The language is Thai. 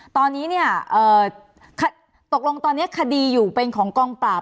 ตอนนี้เนี่ยตกลงตอนนี้คดีอยู่เป็นของกองปราบ